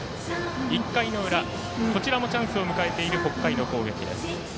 １回の裏、こちらもチャンスを迎えている北海の攻撃です。